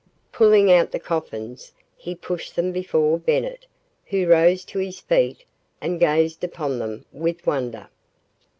Pulling out the coffins, he pushed them before Bennett, who rose to his feet and gazed upon them with wonder.